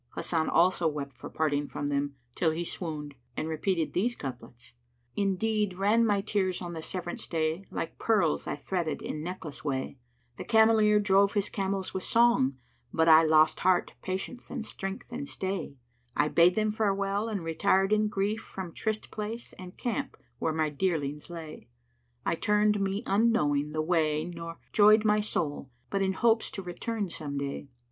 Hasan also wept for parting from them, till he swooned, and repeated these couplets, "Indeed, ran my tears on the severance day * Like pearls I threaded in necklace way: The cameleer drove his camels with song * But I lost heart, patience and strength and stay: I bade them farewell and retired in grief * From tryst place and camp where my dearlings lay: I turned me unknowing the way nor joyed * My soul, but in hopes to return some day.